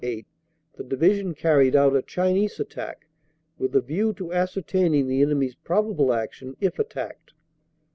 8 the Division carried out a Chinese attack with a view to ascertaining the enemy s prob able action if attacked.